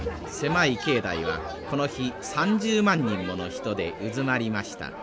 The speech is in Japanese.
狭い境内はこの日３０万人もの人でうずまりました。